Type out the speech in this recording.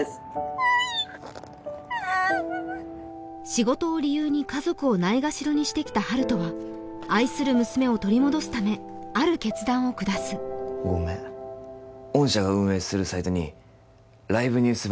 仕事を理由に家族をないがしろにしてきた温人は愛する娘を取り戻すためある決断を下す御社が運営するサイトにライブニュース